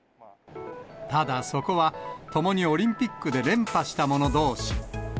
ただ、そこは共にオリンピックで連覇した者どうし。